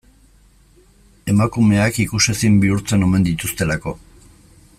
Emakumeak ikusezin bihurtzen omen dituztelako.